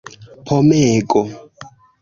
pomego